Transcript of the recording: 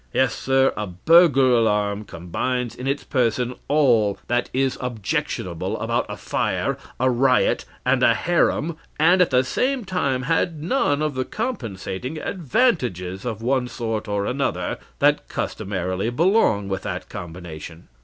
Yes, sir, a burglar alarm combines in its person all that is objectionable about a fire, a riot, and a harem, and at the same time had none of the compensating advantages, of one sort or another, that customarily belong with that combination.